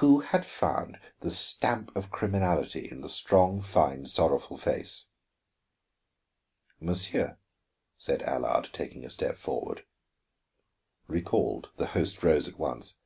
Who had found the stamp of criminality in the strong, fine, sorrowful face? "Monsieur," said Allard, taking a step forward. Recalled, the host rose at once.